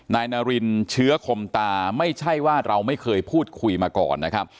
นายนารินเชื้อคมตาไม่ใช่ว่าเราไม่เคยพูดคุยมาก่อนนะครับ